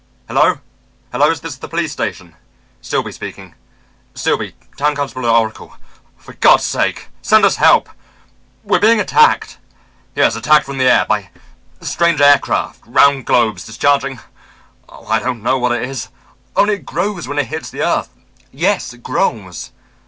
"Hello, hello! Is this the police station? Silby speaking. Silby, town constable at Oracle. For God's sake, send us help! We're being attacked. Yes, attacked from the air. By strange aircraft, round globes, discharging oh, I don't know what it is; only it grows when it hits the earth. Yes, grows.